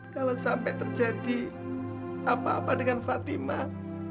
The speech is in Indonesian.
kalau sampai terjadi apa apa dengan fatimah